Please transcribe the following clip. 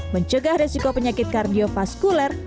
mencegah resiko penyakit kardiofaskuler